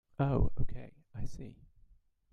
Oh okay, I see.